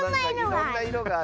いろんないろがある。